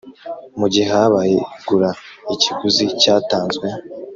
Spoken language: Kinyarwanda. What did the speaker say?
Mu gihe habaye igura ikiguzi cyatanzwe